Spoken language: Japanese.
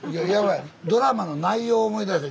ドラマの内容を思い出して。